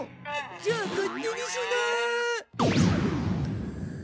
じゃあ勝手にしなあ！